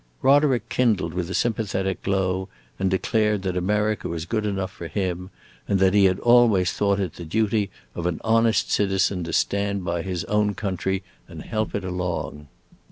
Roderick kindled with a sympathetic glow, and declared that America was good enough for him, and that he had always thought it the duty of an honest citizen to stand by his own country and help it along.